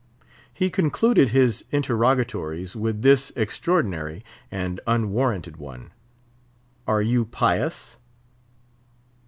He concluded his interrogatories with this extraordinary and unwarranted one—"Are you pious?"